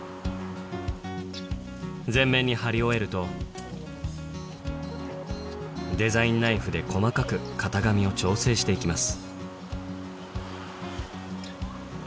全面に張り終えるとデザインナイフで細かく型紙を調整して行きます